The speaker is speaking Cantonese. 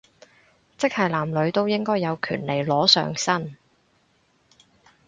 即係男女都應該有權利裸上身